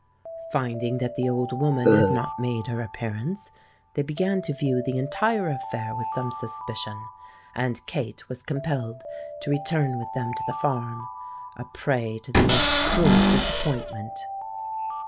Finding that the old woman had not made her appearance, they began to view the entire affair with some suspicion; and Kate was compelled to return with them to the farm—a prey to the most cruel disappointment.